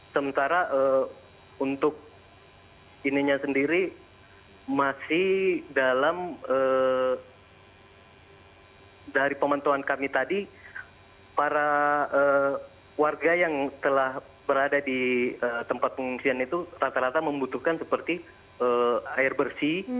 sementara untuk ininya sendiri masih dalam dari pementuan kami tadi para warga yang telah berada di tempat pengungsian itu rata rata membutuhkan seperti air bersih